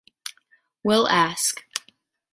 We’ll ask.